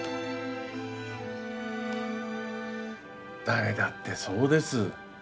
誰だってそうです。